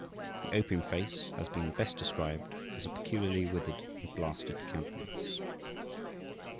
The opium face has been best described as a "peculiarly withered and blasted countenance."